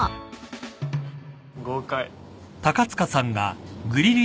豪快。